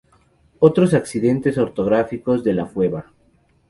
Otros accidentes orográficos de La Fueva